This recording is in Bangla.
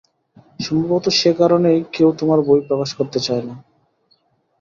সম্ভবত সে কারণেই কেউ তোমার বই প্রকাশ করতে চায় না।